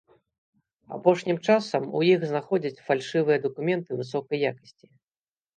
Апошнім часам у іх знаходзяць фальшывыя дакументы высокай якасці.